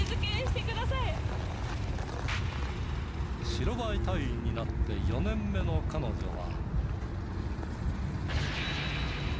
白バイ隊員になって４年目の彼女は。